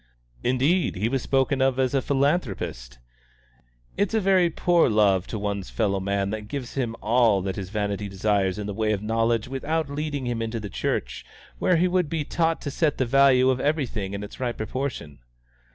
"Indeed! He was spoken of as a philanthropist." "It's a very poor love to one's fellow man that gives him all that his vanity desires in the way of knowledge without leading him into the Church, where he would be taught to set the value of everything in its right proportion."